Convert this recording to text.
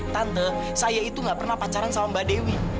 tante saya itu gak pernah pacaran sama mbak dewi